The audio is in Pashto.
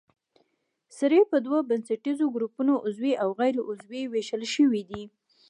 سرې په دوو بنسټیزو ګروپونو عضوي او غیر عضوي ویشل شوې دي.